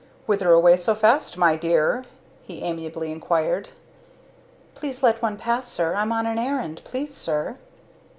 "Whither away so fast, my dear?" he amiably inquired. "Please let one pass, sir! I'm on an errand. Please, sir?"